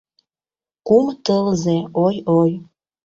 Кум тылзе — ой-ой!